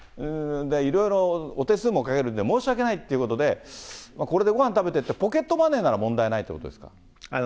いろいろお手数もかけるんで、申し訳ないということで、これでご飯食べてって、ポケットマネーなら問題ないということですか？